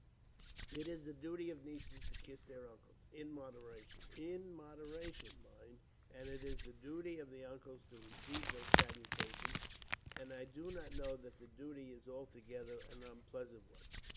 "It is the duty of nieces to kiss their uncles, in moderation in moderation, mind and it is the duty of the uncles to receive those salutations, and I do not know that the duty is altogether an unpleasant one.